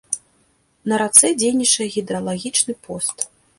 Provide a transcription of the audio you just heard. На рацэ дзейнічае гідралагічны пост.